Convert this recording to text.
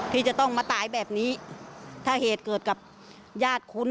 ที่จะต้องมาตายแบบนี้ถ้าเหตุเกิดกับญาติคุณ